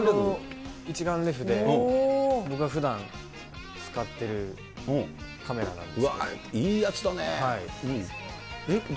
一眼レフで、僕がふだん使ってるカメラなんですけど。